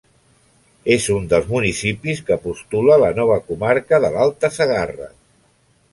És un dels municipis que postula la nova comarca de l'Alta Segarra.